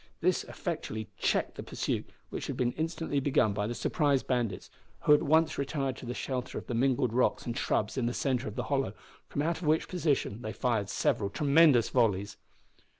This effectually checked the pursuit which had been instantly begun by the surprised bandits, who at once retired to the shelter of the mingled rocks and shrubs in the centre of the hollow, from out of which position they fired several tremendous volleys.